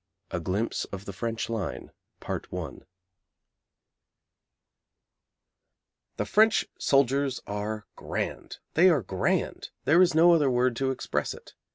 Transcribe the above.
A GLIMPSE OF THE FRENCH LINE I The French soldiers are grand. They are grand. There is no other word to express it.